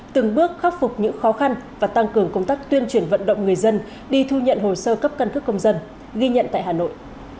từng bước khắc phục những khó khăn và tăng cường công tác tuyên truyền vận động người dân đi thu nhận hồ sơ cấp căn cước công dân ghi nhận tại hà nội